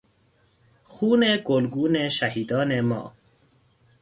خون گلگون شهیدان ما